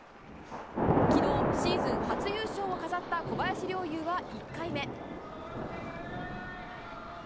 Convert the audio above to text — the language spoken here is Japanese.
きのう、シーズン初優勝を飾った小林陵侑は１回目。